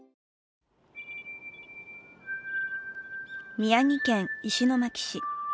宮城県石巻市。